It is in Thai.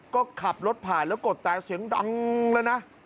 ก็ขับรถผ่านแล้วกดแต่เสียงดังแล้วนะ